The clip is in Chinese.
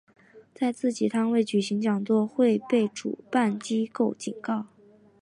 在自己摊位举行讲座会被主办机构警告。